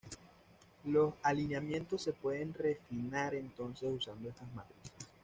Los alineamientos se pueden refinar entonces usando estas matrices.